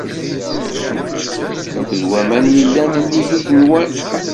Akked waman yellan nnig yigenwan!